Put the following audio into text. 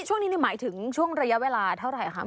ช่วงนี้หมายถึงช่วงระยะเวลาเท่าไหร่คะ